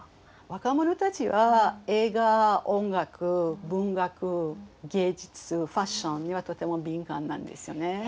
若者たちは映画音楽文学芸術ファッションにはとても敏感なんですよね。